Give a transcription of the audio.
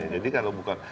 jadi kalau bukan